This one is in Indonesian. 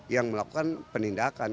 yang melakukan penindakan